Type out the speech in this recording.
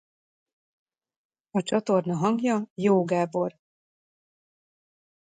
A csatorna hangja Joó Gábor.